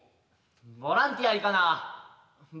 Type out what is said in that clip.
ボランティア行かな僕。